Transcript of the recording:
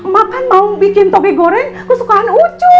makan mau bikin toge goreng kesukaan u cuy